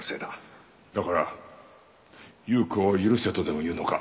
だから有雨子を許せとでも言うのか？